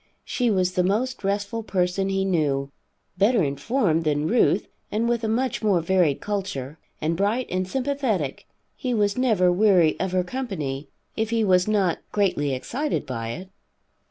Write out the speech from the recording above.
She was the most restful person he knew. Better informed than Ruth and with a much more varied culture, and bright and sympathetic, he was never weary of her company, if he was not greatly excited by it.